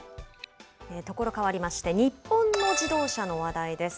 所変わりまして、日本の自動車の話題です。